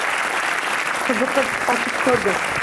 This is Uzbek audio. Qiziqib ochib ko’rdim.